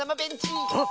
あっ。